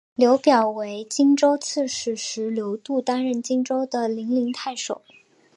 刘表为荆州刺史时刘度担任荆州的零陵太守。